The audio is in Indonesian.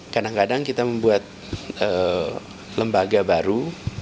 kadang kadang kita membuat lembaga baru